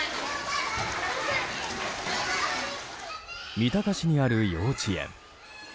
三鷹市にある幼稚園。